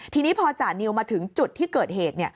ทีนี้พอจานิวมาถึงจุดที่เกิดเหตุ